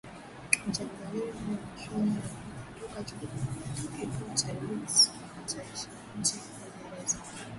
mchambuzi wa masuala ya afrika kutoka chuo kikuu cha leeds cha nchini uingereza